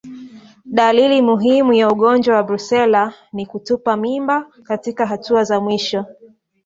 Dalili muhimu ya ugonjwa wa Brusela ni kutupa mimba katika hatua za mwisho